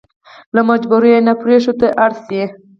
له مجبوري نه يې پرېښودو ته اړ شي.